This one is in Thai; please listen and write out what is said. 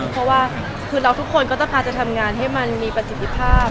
เพราะว่าคือเราทุกคนก็จะพาจะทำงานให้มันมีประสิทธิภาพ